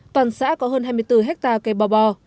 toàn xã có hơn hai mươi bốn hectare cây bò bò